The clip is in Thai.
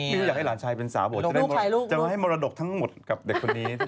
ไม่อยากให้หลานชายเป็นสาวผมจะได้มรดกทั้งหมดกับเด็กคนนี้